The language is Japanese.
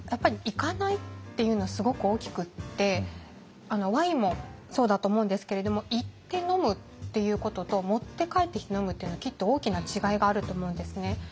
行かないっていうのはすごく大きくてワインもそうだと思うんですけれども行って飲むっていうことと持って帰ってきて飲むっていうのはきっと大きな違いがあると思うんですね。